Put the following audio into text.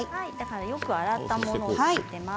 よく洗ったものを使っています。